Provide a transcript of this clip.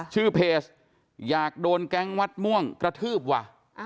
ชื่อเพจอยากโดนแก๊งวัดม่วงกระทืบว่ะ